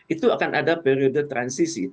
itu akan ada periode transisi